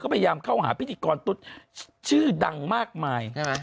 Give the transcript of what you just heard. พยายามเข้าหาพิธีกรตุ๊ดชื่อดังมากมาย